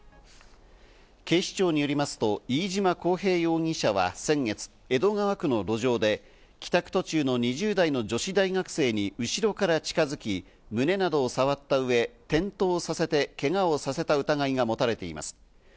警視庁によりますと飯島康平容疑者は先月、江戸川区の路上で帰宅途中の２０代の女子大学生に後ろから近づき、胸などを触った上、転倒させてけがをさせた疑いが持たれています。